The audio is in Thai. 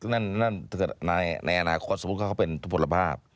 นั่นถ้ากับในอนาคตสมมุติเขาก็เป็นทุพฤภาพ